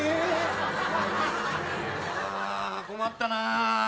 あ困ったな。